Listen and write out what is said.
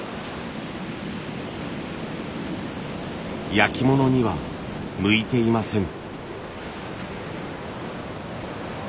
焼き物には向いていません。